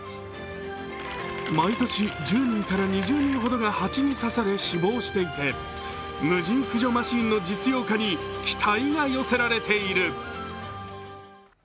毎年１０人から２０人ほどが蜂に刺され死亡していて無人駆除マシーンの実用化に期待が寄せられている。